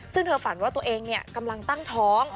ซึ่งเธอฝันว่าตัวเองกำลังตั้งท้อง